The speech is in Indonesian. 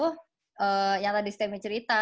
nah maklun ke orang itu yang tadi stemi cerita